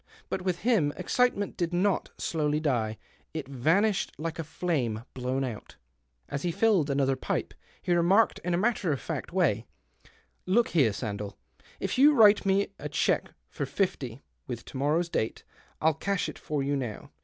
But with him excitement did not dowly die ; it vanished like a flame blown )ut. As he filled another pipe, he remarked, n a matter of fact w^ay —" Look here, Sandell, if you'll write me a lieque for fifty, with to morrow's date, I'll ^ash it for you now.